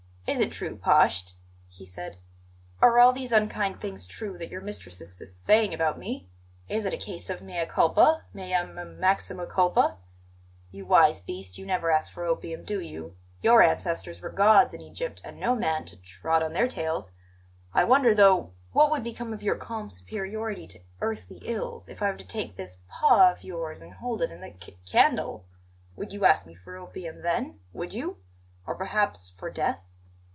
"Is it true, Pasht?" he said. "Are all these unkind things true that your mistress is s saying about me? Is it a case of mea culpa; mea m maxima culpa? You wise beast, you never ask for opium, do you? Your ancestors were gods in Egypt, and no man t trod on their tails. I wonder, though, what would become of your calm superiority to earthly ills if I were to take this paw of yours and hold it in the c candle. Would you ask me for opium then? Would you? Or perhaps for death?